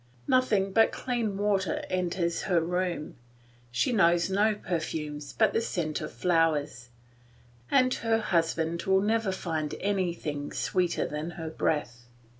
Nothing but clean water enters her room; she knows no perfumes but the scent of flowers, and her husband will never find anything sweeter than her breath.